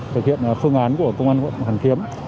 thực hiện phương án của công an quận hoàn kiếm